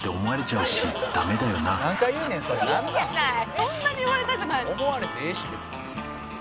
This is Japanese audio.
「そんなに言われたくないの？」